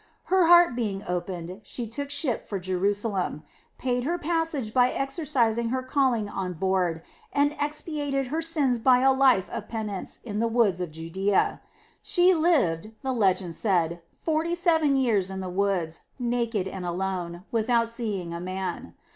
Her heart being opened, she took ship for Jerusalem, paid her passage by exercising her calling on board, and expiated her sins by a life of penitence in the woods of Judæa. She lived, the legend said, forty seven years in the woods, naked and alone, without seeing a man.